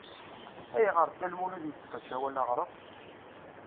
Ayɣer Dda Lmulud yesseqdec awal aɣref?